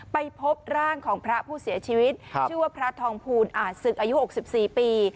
ไปพบร่างของพระผู้เสียชีวิตชื่อว่าพระทองภูลอาจศึกอายุ๖๔ปี